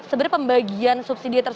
sebenarnya pembagian subsidi tersedia